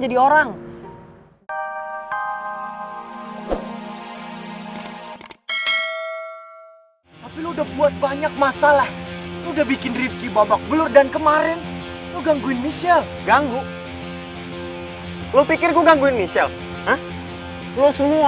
jadi kalau gue ada urusan sama michelle